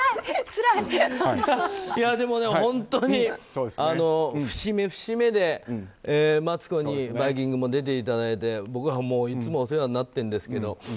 でも本当に節目節目でマツコに「バイキング」に出ていただいて僕はいつもお世話になってるんですけど